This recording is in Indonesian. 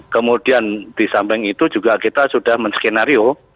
kemudian di samping itu juga kita sudah men skenario